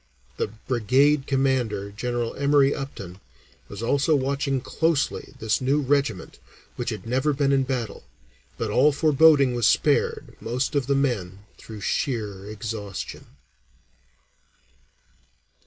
'" The brigade commander, General Emory Upton, was also watching closely this new regiment which had never been in battle. But all foreboding was spared most of the men through sheer exhaustion.